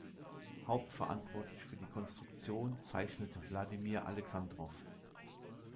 Hauptverantwortlich für die Konstruktion zeichnete Wladimir Alexandrow.